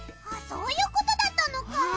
あっそういうことだったのか。